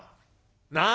なあ。